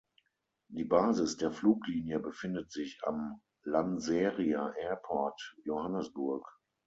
Die Basis der Fluglinie befindet sich am Lanseria Airport, Johannesburg.